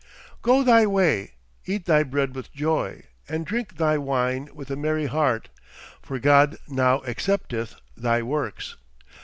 * Go thy way, eat thy bread with joy, and drink thy wine with a merry heart; for God now accepteth thy works.